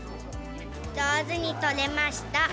上手にとれました。